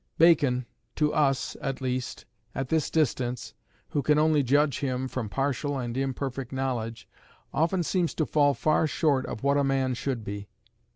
Bacon, to us, at least, at this distance, who can only judge him from partial and imperfect knowledge, often seems to fall far short of what a man should be.